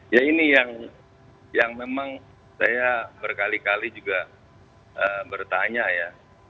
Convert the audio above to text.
ya ini yang memang saya berkali kali juga bertanya ya